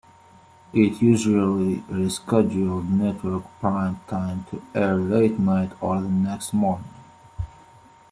It usually rescheduled network prime time to air late-night or the next morning.